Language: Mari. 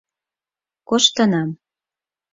— Коштынам.